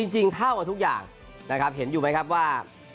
จริงเท่ากับทุกอย่างนะครับเห็นอยู่ไหมครับว่า